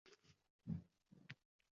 Menga qadrdondir uning siymosi